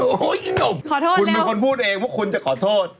โอ๊ยนุ่มคุณเป็นคนพูดเองว่าคุณจะขอโทษ